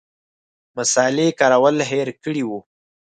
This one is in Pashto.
مصالې کارول هېر کړي وو.